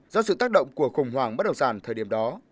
do sự tác động của khủng hoảng bất động sản thời điểm đó